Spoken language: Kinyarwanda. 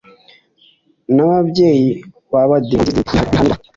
ry ababyeyi b abadiventisiti riharanira